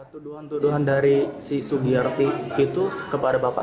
tuduhan tuduhan dari si sugiyarti itu kepada bapak